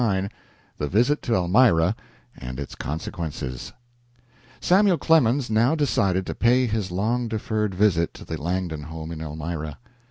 XXIX THE VISIT TO ELMIRA AND ITS CONSEQUENCES Samuel Clemens now decided to pay his long deferred visit to the Langdon home in Elmira.